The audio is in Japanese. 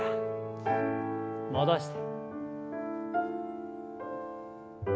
戻して。